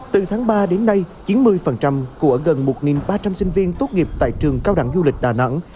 từ tháng ba đến nay chín mươi của gần một ba trăm linh sinh viên tốt nghiệp tại trường cao đẳng du lịch đà nẵng